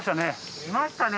いましたね！